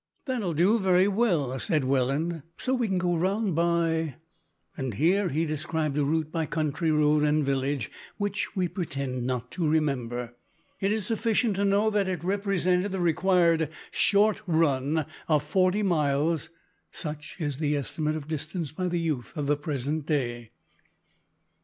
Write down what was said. "That'll do very well," said Welland, "so we can go round by " Here he described a route by country road and village, which we pretend not to remember. It is sufficient to know that it represented the required "short" run of forty miles such is the estimate of distance by the youth of the present day!